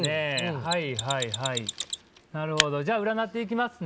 はいはいはいなるほどじゃ占っていきますね